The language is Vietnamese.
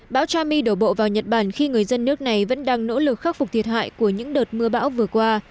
bão chami đổ bộ vào nhật bản khi người dân nước này vẫn đang nỗ lực khắc phục thiệt hại của những đợt mưa bão vừa qua